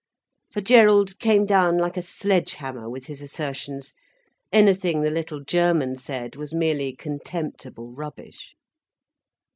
For Gerald came down like a sledge hammer with his assertions, anything the little German said was merely contemptible rubbish.